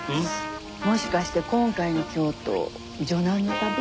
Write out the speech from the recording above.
もしかして今回の京都女難の旅？